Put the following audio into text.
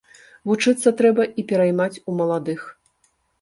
Вучыцца трэба і пераймаць у маладых.